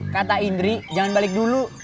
kata indri jangan balik dulu